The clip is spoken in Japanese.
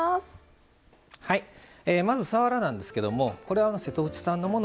まずさわらなんですけどもこれは瀬戸内産のもの